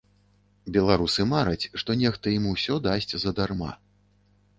Беларусы мараць, што нехта ім усё дасць задарма.